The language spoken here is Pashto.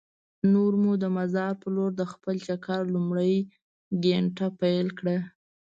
نور مو د مزار په لور د خپل چکر لومړۍ ګېنټه پیل کړه.